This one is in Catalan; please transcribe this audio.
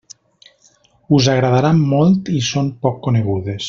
Us agradaran molt i són poc conegudes.